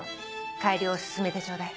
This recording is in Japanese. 改良を進めてちょうだい。